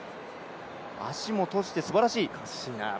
足も閉じて、すばらしい。